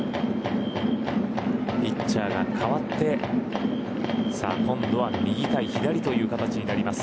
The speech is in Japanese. ピッチャーが代わって今度は右対左という形になります。